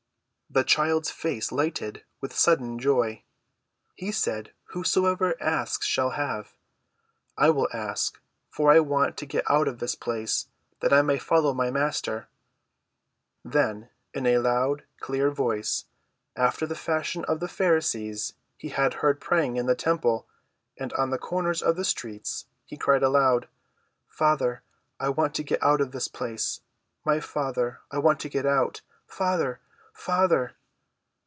The child's face lighted with sudden joy. "He said whosoever asks shall have. I will ask, for I want to get out of this place that I may follow my Master." Then in a loud, clear voice, after the fashion of the Pharisees he had heard praying in the temple and on the corners of the streets, he cried aloud: "Father, I want to get out of this place! My Father! I want to get out—Father! Father!"